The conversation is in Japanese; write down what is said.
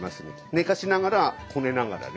寝かしながらこねながらね。